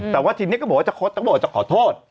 แต่ว่าทีนี้เขาก็บอกว่าจะขอโทษ